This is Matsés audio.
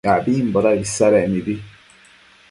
abimbo daëd isadec mibi